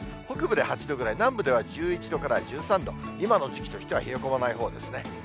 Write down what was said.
北部で８度ぐらい、南部では１１度から１３度、今の時期としては冷え込まないほうですね。